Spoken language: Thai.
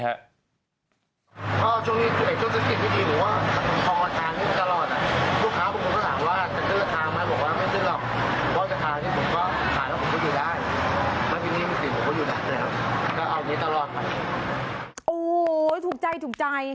โอ้โฮถูกใจ